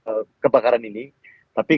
tapi kalau kita melakukan itu kita akan melakukan